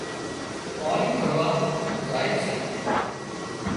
پاڻي ڀراوا زائي سي